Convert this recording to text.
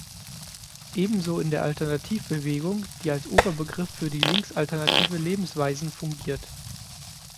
Ebenso in der Alternativbewegung, die als Oberbegriff für links-alternative Lebensweisen fungiert.